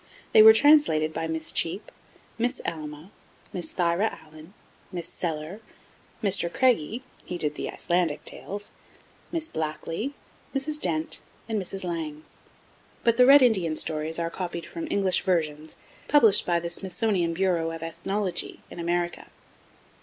They were translated by Miss Cheape, Miss Alma, and Miss Thyra Alleyne, Miss Sellar, Mr. Craigie (he did the Icelandic tales), Miss Blackley, Mrs. Dent, and Mrs. Lang, but the Red Indian stories are copied from English versions published by the Smithsonian Bureau of Ethnology, in America.